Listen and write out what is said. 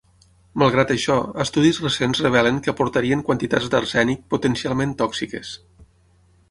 Malgrat això, estudis recents revelen que aportarien quantitats d'arsènic potencialment tòxiques.